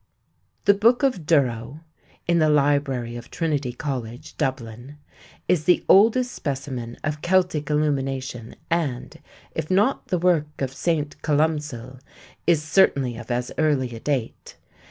_The Book of Durrow _(in the Library of Trinity College, Dublin) is the oldest specimen of Celtic illumination and, if not the work of St. Columcille, is certainly of as early a date.